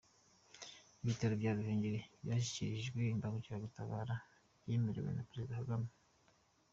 Ibitaro bya Ruhengeli byashyikirijwe imbangukiragutabara byemerewe na Perezida Kagame.